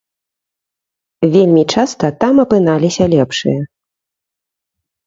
Вельмі часта там апыналіся лепшыя.